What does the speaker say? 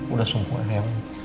udah sungguhan ya